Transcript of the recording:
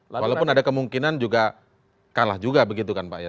walaupun ada kemungkinan juga kalah juga begitu kan pak ya